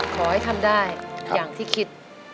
ขอให้ทำได้อย่างที่คิด